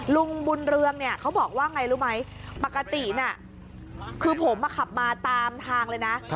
ลุงบุญเรืองเนี่ยเขาบอกว่าไงรู้ไหมปกติน่ะคือผมขับมาตามทางเลยนะ